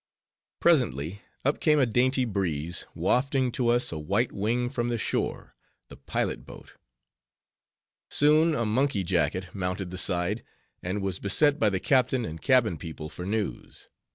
Presently, up came a dainty breeze, wafting to us a white wing from the shore—the pilot boat! Soon a monkey jacket mounted the side, and was beset by the captain and cabin people for news.